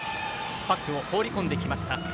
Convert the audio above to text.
パックを放り込んできました。